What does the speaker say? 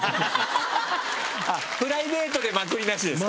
プライベートでまくりなしですか？